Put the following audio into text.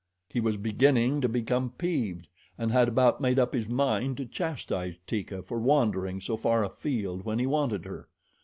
He was beginning to become peeved and had about made up his mind to chastise Teeka for wandering so far afield when he wanted her.